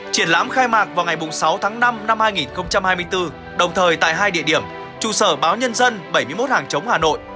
triển lãm khai mạc vào ngày sáu tháng năm năm hai nghìn hai mươi bốn đồng thời tại hai địa điểm trụ sở báo nhân dân bảy mươi một hàng chống hà nội